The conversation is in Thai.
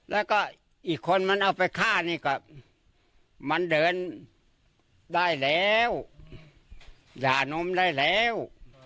แล้วก็อีกคนมันเอาไปฆ่านี่ก็มันเดินได้แล้วหย่านมได้แล้ว